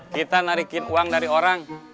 kita narikin uang dari orang